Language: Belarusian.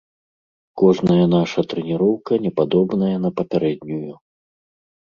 Кожная наша трэніроўка не падобная на папярэднюю.